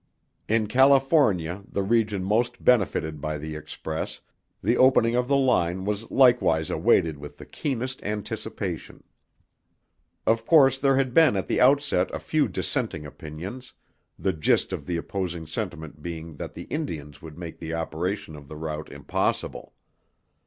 In California, the region most benefited by the express, the opening of the line was likewise awaited with the keenest anticipation. Of course there had been at the outset a few dissenting opinions, the gist of the opposing sentiment being that the Indians would make the operation of the route impossible.